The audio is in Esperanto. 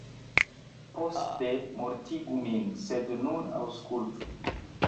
Poste mortigu min, sed nun aŭskultu.